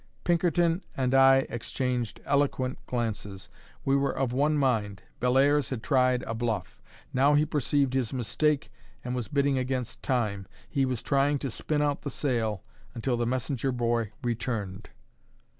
Pinkerton and I exchanged eloquent glances. We were of one mind. Bellairs had tried a bluff; now he perceived his mistake, and was bidding against time; he was trying to spin out the sale until the messenger boy returned.